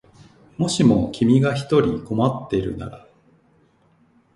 もしも君が一人困ってるなら